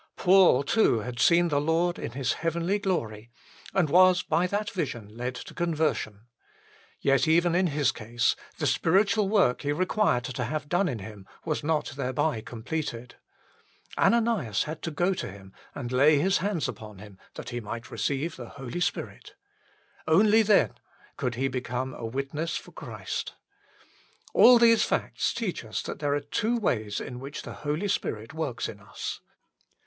Paul too had seen the Lord in His heavenly glory and was by that vision led to conversion ; yet even in his case the spiritual work he required to have done in him was not thereby completed. Ananias had to go to him and lay his hands iipou him that he might receive the Holy Spirit. Only then could he become a witness for Christ. All these facts teach us that there are two ways in which the Holy Spirit works in us.